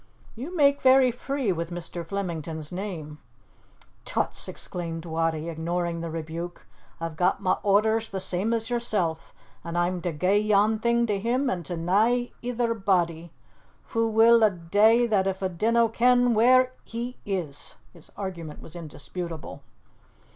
"You make very free with Mr. Flemington's name." "Tuts!" exclaimed Wattie, ignoring the rebuke, "a've got ma orders the same as yersel', an' a'm to gie yon thing to him an' to nae ither body. Foo will a dae that if a dinna ken whaur he is?" His argument was indisputable.